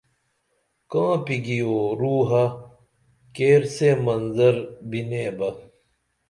کانپی گیو روحہ کیر سے منظر بِنے بہ